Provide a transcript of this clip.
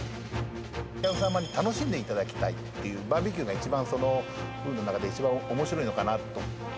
お客様に楽しんでいただきたいっていう、バーベキューが一番僕の中で一番おもしろいのかなと。